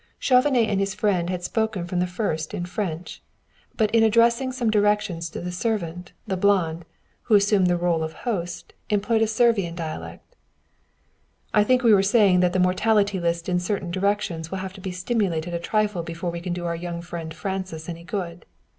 Chauvenet and his friend had spoken from the first in French, but in addressing some directions to the servant, the blond, who assumed the rôle of host, employed a Servian dialect. "I think we were saying that the mortality list in certain directions will have to be stimulated a trifle before we can do our young friend Francis any good.